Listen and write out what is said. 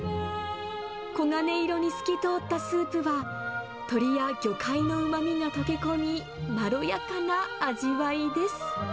黄金色に透き通ったスープは、鶏や魚介のうまみが溶け込み、まろやかな味わいです。